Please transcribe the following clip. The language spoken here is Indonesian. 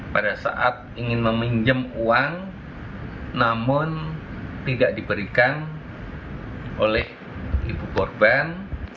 pada saat ingin meminjam uang namun tidak diberikan oleh ibu korban